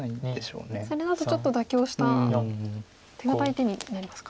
それだとちょっと妥協した手堅い手になりますか。